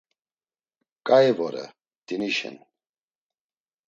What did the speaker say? Ǩai vore, mtinişen.